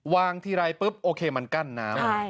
วางทีไรปุ๊บโอเคเหมือนกันน้ำ